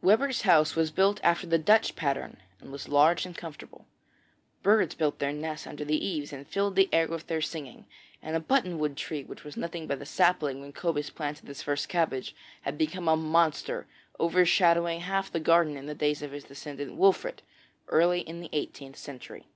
Webber's house was built after the Dutch pattern, and was large and comfortable. Birds built their nests under the eaves and filled the air with their singing, and a button wood tree, which was nothing but a sapling when Cobus planted his first cabbage, had become a monster overshadowing half the garden in the days of his descendant Wolfert early in the eighteenth century.